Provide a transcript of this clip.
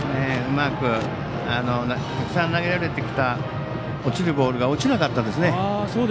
たくさん投げられてきた落ちるボールが落ちなかったですね。